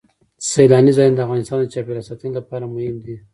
سیلاني ځایونه د افغانستان د چاپیریال ساتنې لپاره مهم دي.